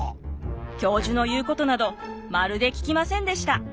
教授の言うことなどまるで聞きませんでした。